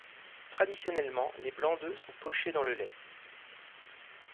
Traditionnellement, les blancs d'œuf sont pochés dans le lait.